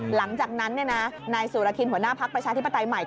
หลังจากนั้นนายสุรทินหัวหน้าพักประชาธิปไตยใหม่